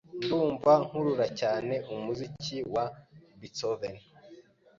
Ndumva nkurura cyane umuziki wa Beethoven.